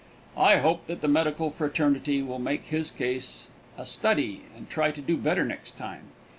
I hope that the medical fraternity will make his case a study and try to do better next time.